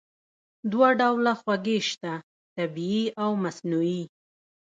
دوه ډوله خوږې شته: طبیعي او مصنوعي.